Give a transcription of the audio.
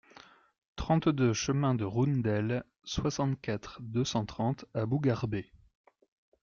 trente-deux chemin de Roundelle, soixante-quatre, deux cent trente à Bougarber